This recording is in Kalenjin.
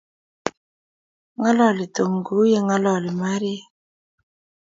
Ng'aloli Tom kou ye ng'alaldai Maria